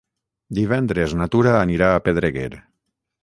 Divendres na Tura anirà a Pedreguer.